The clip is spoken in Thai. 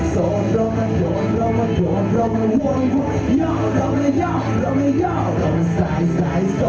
หยุดมีท่าหยุดมีท่า